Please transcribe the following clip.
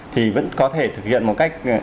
thì vẫn có thể thực hiện một cách